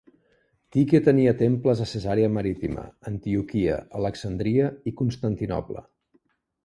Tique tenia temples a Cesarea Marítima, Antioquia, Alexandria i Constantinoble.